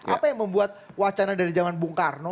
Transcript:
apa yang membuat wacana dari zaman bung karno